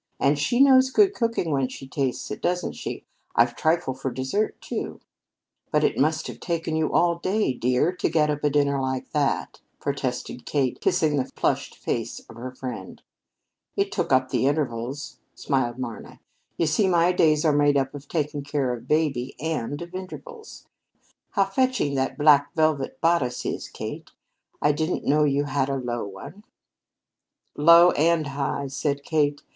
And she knows good cooking when she tastes it, doesn't she? I've trifle for desert, too." "But it must have taken you all day, dear, to get up a dinner like that," protested Kate, kissing the flushed face of her friend. "It took up the intervals," smiled Marna. "You see, my days are made up of taking care of baby, and of intervals. How fetching that black velvet bodice is, Kate. I didn't know you had a low one." "Low and high," said Kate.